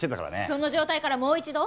その状態からもう一度？